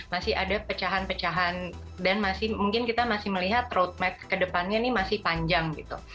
masih ada pecahan pecahan dan mungkin kita masih melihat roadmap kedepannya ini masih panjang gitu